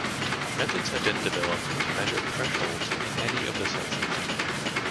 Methods have been developed to measure thresholds in any of the senses.